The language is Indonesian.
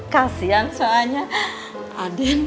kasian soalnya aden